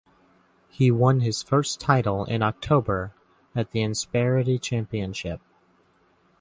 He won his first title in October at the Insperity Championship.